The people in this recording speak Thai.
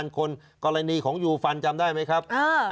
คนกรณีของยูฟันจำได้ไหมครับ